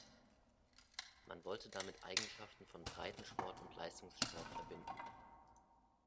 Man wollte damit Eigenschaften von Breitensport und Leistungssport verbinden.